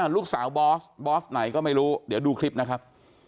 ลูกสาวบอสบอสไหนก็ไม่รู้เดี๋ยวดูคลิปนะครับ